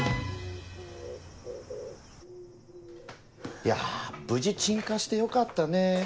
いや無事鎮火してよかったね。